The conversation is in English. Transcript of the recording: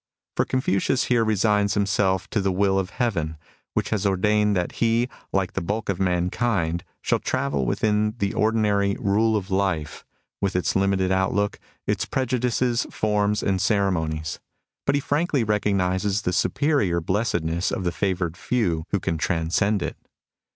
For Confucius here resigns himself to the wiU of Heaven, which has ordained that he, like the bulk of mankind, shall travel within the ordinary " rule of life," with its limited outlook, its pre judices, forms, and ceremonies ; but he frankly recognises the superior blessedness of the favoured few who can transcend it.